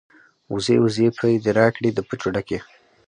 ـ وزې وزې پۍ دې راکړې د پچو ډکې.